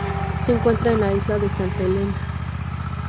Se encuentra en la isla Santa Helena.